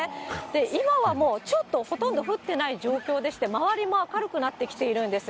今はもう、ちょっとほとんど降ってない状況でして、周りも明るくなってきているんです。